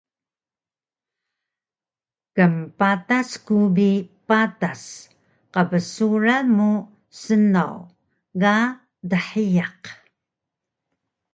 kmpadas ku bi patas qbsuran mu snaw ga dhiyaq